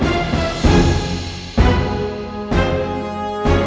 kamar itu akan jadi